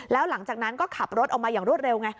แล้วหลังจากนั้นก็ขับรถออกมาอย่างรวดเร็วไง